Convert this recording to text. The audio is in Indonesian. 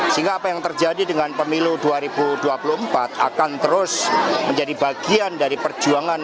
sehingga apa yang terjadi dengan pemilu dua ribu dua puluh empat akan terus menjadi bagian dari perjuangan